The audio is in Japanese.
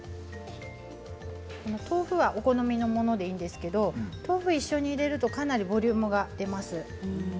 お好みのものでいいんですが豆腐を一緒に入れるとかなりボリュームが出ます。